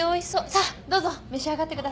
さあどうぞ。